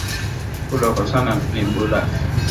Kula kwa sana ni bulafi